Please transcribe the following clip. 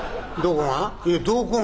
「どこが？」。